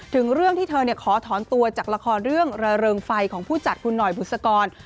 ถึงเรื่องที่เธอขอถอนตัวจากละครเรื่องระเริงไฟของผู้จัดคุณหน่อยบุษกร